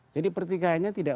jadi pertikaiannya tidak